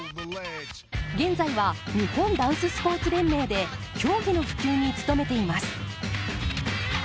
現在は日本ダンススポーツ連盟で競技の普及に努めています。